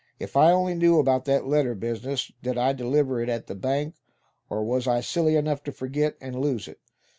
"If I only knew about that letter business. Did I deliver it at the bank; or was I silly enough to forget, and lose it?